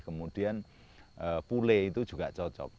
kemudian pule itu juga cocok